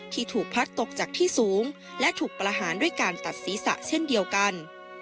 ที่ถูกพัดตกจากที่สูงและถูกประหารด้วยการตัดศีรษะเช่นเดียวกัน